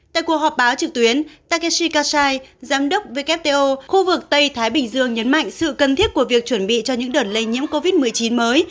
tại cuộc họp báo trực tuyến takeshi kasai giám đốc wto khu vực tây thái bình dương nhấn mạnh sự cần thiết của việc chuẩn bị cho những đợt lây nhiễm covid một mươi chín mới